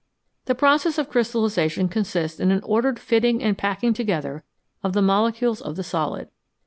The process of crystallisation consists in an ordered fitting and packing together of the molecules of the solid.